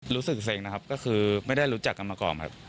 รู้สึกเซ็งนะครับก็คือไม่ได้รู้จักกันมาก่อนครับ